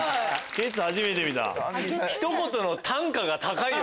ケッツ初めて見た？